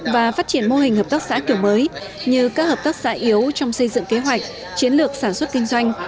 và phát triển mô hình hợp tác xã kiểu mới như các hợp tác xã yếu trong xây dựng kế hoạch chiến lược sản xuất kinh doanh